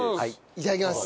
いただきます。